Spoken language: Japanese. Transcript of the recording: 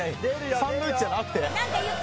サンドイッチじゃなくて？